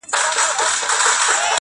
د دوو آثارو د لوستلو تابیا کړې وه